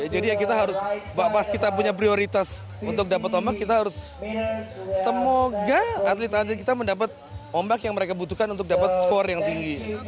jadi ya kita harus pas kita punya prioritas untuk dapat ombak kita harus semoga atlet atlet kita mendapat ombak yang mereka butuhkan untuk dapat skor yang tinggi